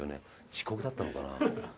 遅刻だったのかな？